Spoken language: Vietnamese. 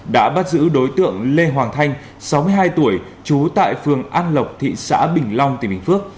đã bắt giữ đối tượng lê hoàng thanh sáu mươi hai tuổi trú tại phường an lộc thị xã bình long tỉnh bình phước